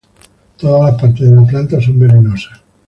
Todas las partes de la planta son venenosas.